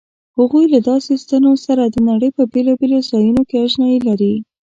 هغوی له داسې ستنو سره د نړۍ په بېلابېلو ځایونو کې آشنايي لري.